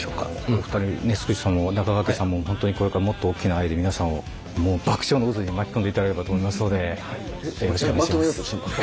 もうすっちーさんも中川家さんも本当にこれからもっと大きな愛で皆さんをもう爆笑の渦に巻き込んでいただければと思いますのでよろしくお願いします。